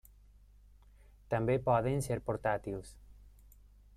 També poden ser portàtils.